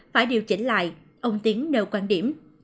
phải điều chỉnh lại ông tiến nêu quan điểm